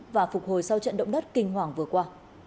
và phục hồi sau trận động đất kinh hoàng vừa qua